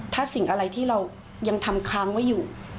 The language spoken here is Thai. ถ้าสิ่งอะไรที่เรายังทำค้างไว้อยู่